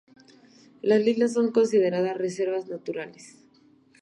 Las islas son consideradas reservas naturales.